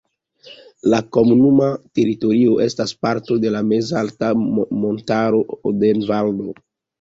La komunuma teritorio estas parto de la mezalta montaro Odenvaldo.